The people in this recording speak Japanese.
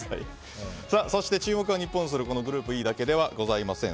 そして注目は日本が所属するグループＥだけではありません。